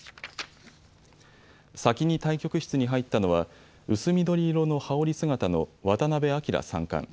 先に対局室に入ったのは薄緑色の羽織姿の渡辺明三冠。